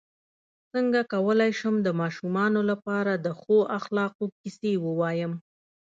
څنګه کولی شم د ماشومانو لپاره د ښو اخلاقو کیسې ووایم